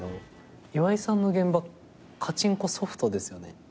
岩井さんの現場カチンコソフトですよね。